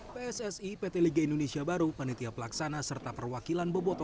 pssi pt liga indonesia baru panitia pelaksana serta perwakilan boboto